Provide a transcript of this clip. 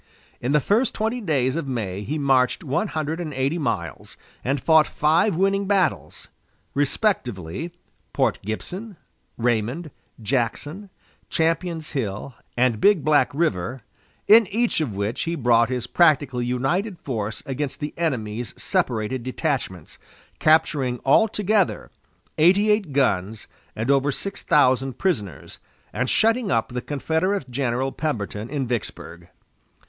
In the first twenty days of May he marched one hundred and eighty miles, and fought five winning battles respectively Port Gibson, Raymond, Jackson, Champion's Hill, and Big Black River in each of which he brought his practically united force against the enemy's separated detachments, capturing altogether eighty eight guns and over six thousand prisoners, and shutting up the Confederate General Pemberton in Vicksburg.